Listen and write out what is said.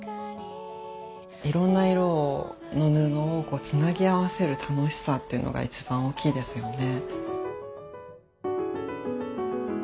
いろんな色の布をこうつなぎ合わせる楽しさっていうのが一番大きいですよね。